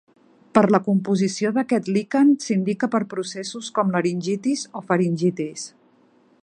Per la composició d'aquest liquen s'indica per processos com laringitis o faringitis.